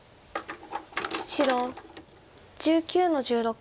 白１９の十六。